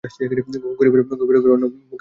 গরিবের ঘরের অন্ন ওঁর মুখে রোচে না।